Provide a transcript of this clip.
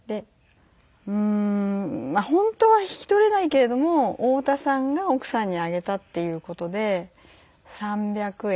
うーん本当は引き取れないけれども太田さんが奥さんにあげたっていう事で３００円。